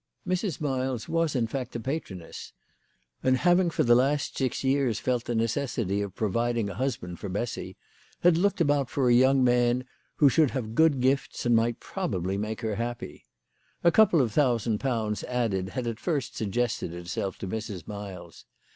Mrs. Miles was her self the patroness, and, having for the last six years I 114 THE LADY OF LAUNAY. felt the necessity of providing a husband for Bessy, had looked about for a young man who should have good gifts and might probably make her happy. A couple of thousand pounds added had at first suggested itself to Mrs. Miles.